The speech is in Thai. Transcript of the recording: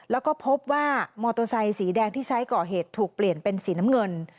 แล้วก็พบว่ามอเตอร์ไซค์สีแดงที่ใช้ก่อเหตุถูกเปลี่ยนเป็นสีน้ำเงิน